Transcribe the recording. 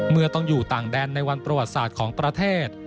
เมื่อต้องอยู่ต่างแดนในวันประวัติศาสตร์ของประเทศ